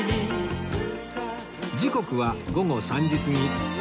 時刻は午後３時過ぎ